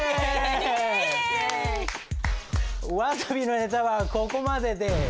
「わたびのネタはここまでです」